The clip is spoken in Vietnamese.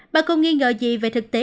bà cũng nghi ngờ gì về thực tế